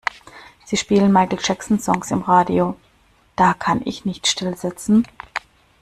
Sie spielen Michael Jackson Songs im Radio, da kann ich nicht stillsitzen.